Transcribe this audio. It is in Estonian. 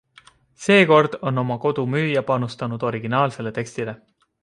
Seekord on oma kodu müüja panustanud originaalsele tekstile.